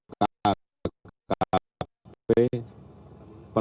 dan juga kkp